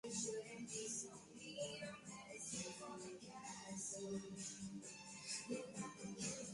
This situation is precisely one of money demand being low.